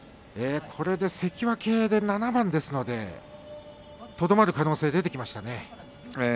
これで関脇で７番ですのでとどまる可能性が出てきましたね。